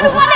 aduh pak d